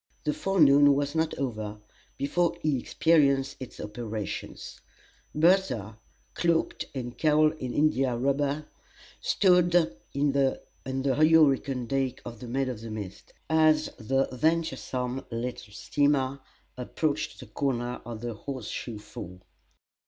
The forenoon was not over before he experienced its operations. Bertha, cloaked and cowled in India rubber, stood on the hurricane deck of the "Maid of the Mist," as the venturesome little steamer approached the corner of the Horse Shoe Fall.